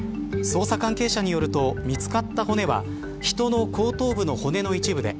捜査関係者によると見つかった骨は人の後頭部の骨の一部で